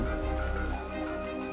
pertanyaan yang terjadi pada hari ini